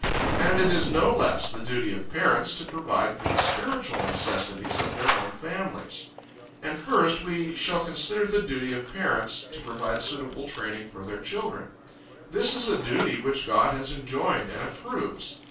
And it is no less the duty of parents to provide for the spiritual necessities of their own families. And first we shall consider the duty of parents, to provide suitable training for their children. This is a duty which God has enjoined and approves.